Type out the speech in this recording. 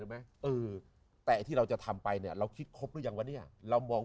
ไหมเออแต่ที่เราจะทำไปเนี่ยเราคิดครบหรือยังวะเนี่ยเรามอง